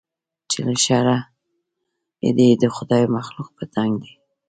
چې له شره یې د خدای مخلوق په تنګ دی